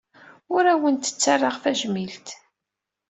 Ur awent-ttarraɣ tajmilt.